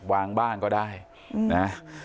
วางบ้างก็ได้นะ